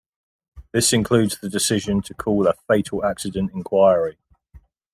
This includes the decision to call a Fatal Accident Inquiry.